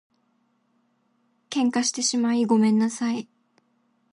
喧嘩してしまいごめんなさい